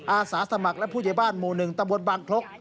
อาศาสมัครและผู้ใจบ้านหมู่หนึ่งตะบดบังคลก